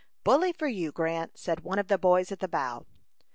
"Bully for you, Grant," said one of the boys at the bow.